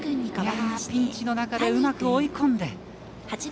ピンチの中、うまく追い込んで。